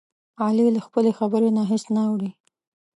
علي له خپلې خبرې نه هېڅ نه اوړوي.